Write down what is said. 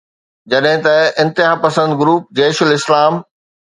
جڏهن ته انتهاپسند گروپ جيش الاسلام